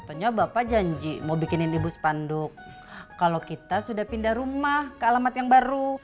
contohnya bapak janji mau bikinin ibu spanduk kalau kita sudah pindah rumah ke alamat yang baru